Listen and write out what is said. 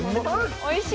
おいしい？